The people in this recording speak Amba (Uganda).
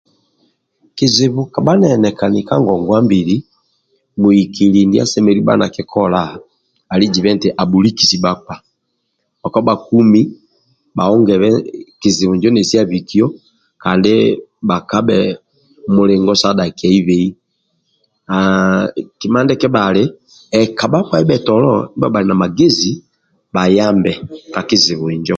Kizibu kabha naenikani ka ngongwa mbili mwikili ndia asemelelu bha na kikola ali jiba nti abhulikisi bhakpa bhakpa bhakumi bhaongebe kizibu injo nesi abikiyo kandi bhakabhe mulingo sa dhakiaibe kima ndia kebhali ka bhakpa ndibhetolo ndibhali na magezi bhayambe ka kizibu injo